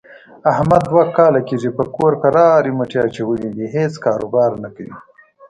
احمد دوه کاله کېږي په کور کرارې مټې اچولې دي، هېڅ کاروبار نه کوي.